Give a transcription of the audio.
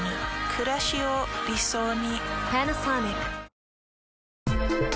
くらしを理想に。